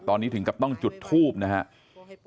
ตอนนี้ถึงกับต้องจุดทูบนะครับ